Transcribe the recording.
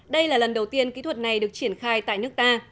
đây là lần đầu tiên kỹ thuật này được triển khai tại nước ta